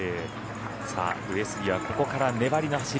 上杉はここから粘りの走り。